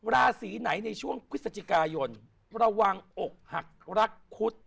ราศีไหนในช่วงพฤศจิกายนระวังอกหักรักคุด